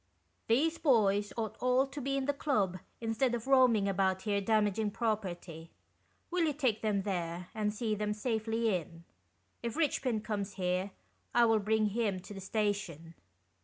" These boys ought all to be in the club instead of roaming about here damaging pro perty. Will you take them there, and see them safely in ? If Eichpin comes 'here, I will bring him to the station."